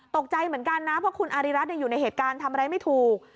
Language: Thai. ตกใจเหมือนกันนะเพราะคุณอาริรัติอยู่ในเหตุการณ์ทำอะไรไม่ถูก